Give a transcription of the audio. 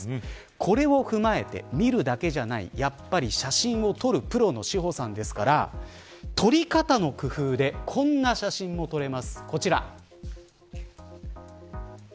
これを踏まえて見るだけじゃないやっぱり写真も撮るプロの詩歩さんですから撮り方の工夫でこんな写真も撮れます、こちら。